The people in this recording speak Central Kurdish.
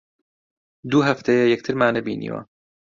دوو هەفتەیە یەکترمان نەبینیوە.